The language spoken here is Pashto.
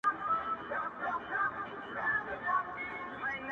و خاوند لره پیدا یې ورک غمی سو,